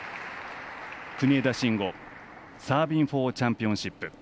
国枝慎吾サービングフォーザチャンピオンシップ。